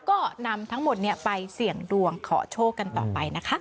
ก็นำทั้งหมดไปเสี่ยงดวงขอโชคกันต่อไปนะคะ